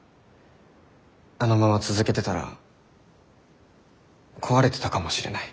あのまま続けてたら壊れてたかもしれない。